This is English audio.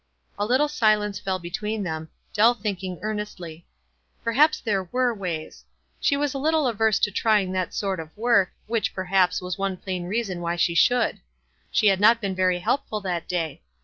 A little silence fell between them, Dell think ing earnestly. Perhaps there were ways. She was a little averse to trying that sort of work, which, perhaps, was one plain reason why she should. She had not been very helpful that day.